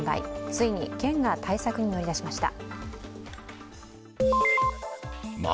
ついに県が対策に乗り出しました。